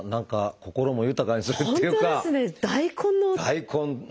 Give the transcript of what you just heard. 大根のね